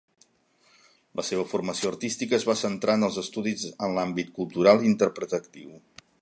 La seva formació artística es va centrar en els estudis en l'àmbit cultural i interpretatiu.